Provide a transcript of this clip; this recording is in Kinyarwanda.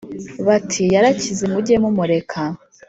bati yarakize mujye mumureka